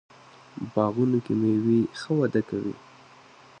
باغونو کې میوې ښه وده کوي.